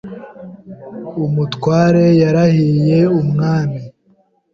Umutware yarahiye umwami.